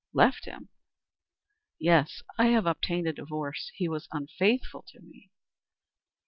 "Left him?" "Yes. I have obtained a divorce. He was unfaithful to me."